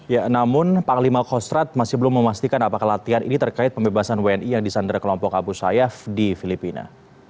ya namun panglima kostrat masih belum memastikan apakah latihan ini terkait pembebasan wni yang disandra kelompok abu sayyaf di filipina